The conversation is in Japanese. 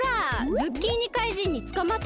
ズッキーニ怪人につかまってた。